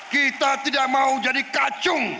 kita tidak mau jadi kacung